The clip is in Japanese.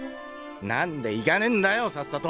なんで行かねえんだよさっさと！